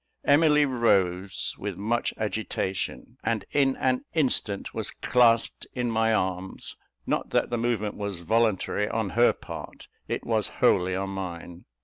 Emily rose with much agitation, and in an instant was clasped in my arms: not that the movement was voluntary on her part; it was wholly on mine.